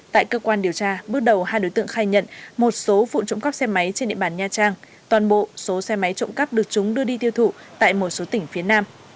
tại cơ quan điều tra bước đầu hai đối tượng khai nhận một số vụ trộm cắp xe máy trên địa bàn nha trang toàn bộ số xe máy trộm cắp được chúng đưa đi tiêu thụ tại một số tỉnh phía nam